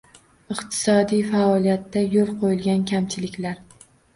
Iqtisodiy faoliyatda yo‘l qo‘yilgan kamchiliklar